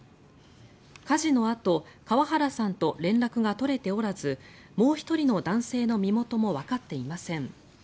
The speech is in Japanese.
火事のあと河原さんと連絡が取れておらずもう１人の男性の身元もわかっていません。